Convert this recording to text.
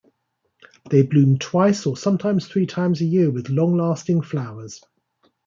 They bloom twice or sometimes three times a year with long lasting flowers.